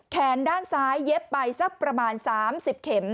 ด้านซ้ายเย็บไปสักประมาณ๓๐เข็ม